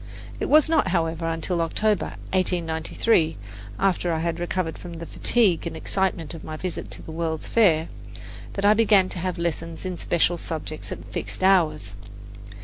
It was not, however, until October, 1893, after I had recovered from the fatigue and excitement of my visit to the World's Fair, that I began to have lessons in special subjects at fixed hours.